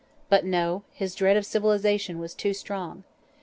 But no; his dread of civilisation was too strong.